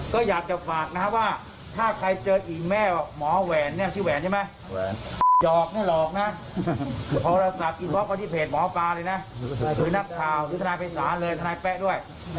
ก็ฝากสิ่งเนี้ยทวชชัยด้วย